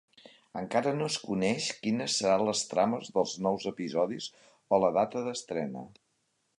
Encara no es coneix quines seran les trames dels nous episodis o la data d'estrena.